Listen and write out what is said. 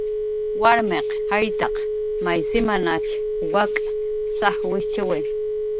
Warmiq jayrtak my simnach wak' saj wijchiwi.